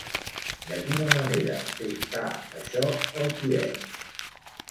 De quina manera afectà això al tiet?